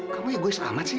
kamu egois amat sih